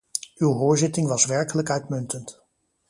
Uw hoorzitting was werkelijk uitmuntend.